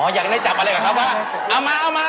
อ๋ออยากได้จับอร่อยก่อนครับว่าเอามาเอามา